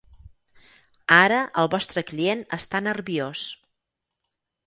Ara el vostre client està nerviós.